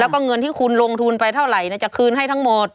แล้วก็เงินที่คุณลงทุนไปเท่าไหร่จะคืนให้ทั้งหมด